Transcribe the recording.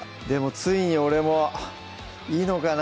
ついに俺もいいのかな？